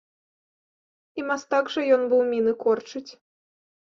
І мастак жа ён быў міны корчыць!